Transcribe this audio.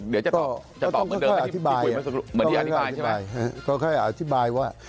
เดี๋ยวจะต่อแบบที่อธิบายใช่ไหมก็ค่อยอธิบายว่า